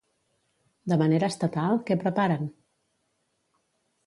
De manera estatal, què preparen?